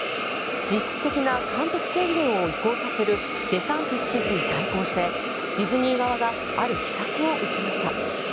実質的な監督権限を移行させるデサンティス知事に対抗してディズニー側がある奇策を打ちました。